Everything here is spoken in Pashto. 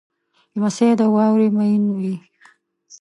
لمسی د واورې مین وي.